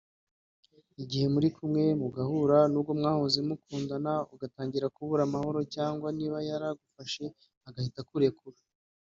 Igihe muri kumwe mugahura n’uwo bahoze bakundana agatangira kubura amahoro cyangwa niba yari agufashe agahita akurekura